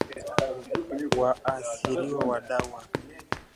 Waathiriwa wa Dawa